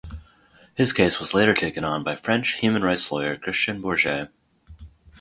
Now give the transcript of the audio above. His case was later taken on by French human rights lawyer Christian Bourget.